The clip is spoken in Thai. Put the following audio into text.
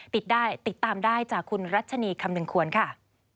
ติดได้ติดตามได้จากคุณรัชนีคำหนึ่งควรค่ะ